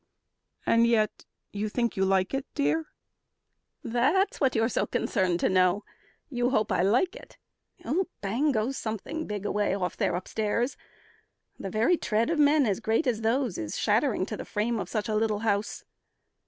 "And yet you think you like it, dear?" "That's what you're so concerned to know! You hope I like it. Bang goes something big away Off there upstairs. The very tread of men As great as those is shattering to the frame Of such a little house.